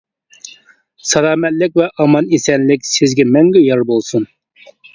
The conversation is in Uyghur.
سالامەتلىك ۋە ئامان-ئېسەنلىك سىزگە مەڭگۈ يار بولسۇن!